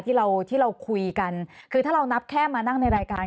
ที่เราที่เราคุยกันคือถ้าเรานับแค่มานั่งในรายการ